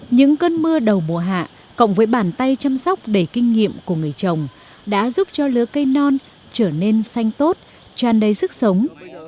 những cơn mưa đầu mùa hạ cộng với bàn tay chăm sóc đầy kinh nghiệm của người chồng đã giúp cho lứa cây non trở nên xanh tốt tràn đầy sức sống